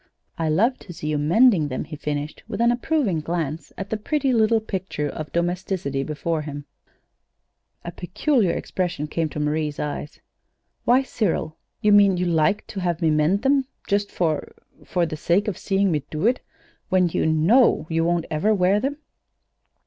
"I love to see you mending them," he finished, with an approving glance at the pretty little picture of domesticity before him. A peculiar expression came to Marie's eyes. "Why, Cyril, you mean you like to have me mend them just for for the sake of seeing me do it, when you know you won't ever wear them?"